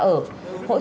hỗ trợ tiền mua vật